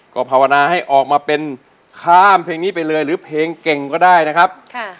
ก็ภาวนาให้ออกมาเป็นข้ามเพลงนี้ไปเลยหรือเพลงเก่งก็ได้นะครับ